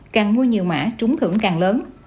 càng mua nhiều mã trúng thưởng càng lớn